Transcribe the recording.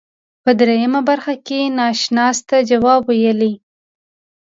په دریمه برخه کې ناشناس ته جواب ویلی.